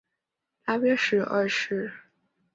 拉约什二世。